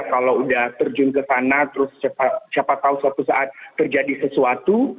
kalau sudah terjun ke sana terus siapa tahu suatu saat terjadi sesuatu